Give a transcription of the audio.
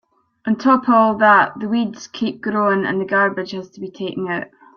On top of all that, the weeds keep growing and the garbage has to be taken out.